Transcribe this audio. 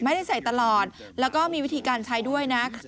ไม่ได้ใส่ตลอดแล้วก็มีวิธีการใช้ด้วยนะ